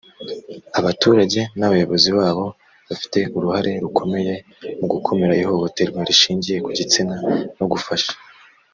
abaturage n abayobozi babo bafite uruhare rukomeye mu gukumira ihohoterwa rishingiye ku gitsina no gufasha